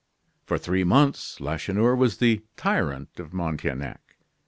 For three months Lacheneur was the tyrant of Montaignac.